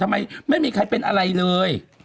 ทำไมไม่มีใครเป็นอะไรเลย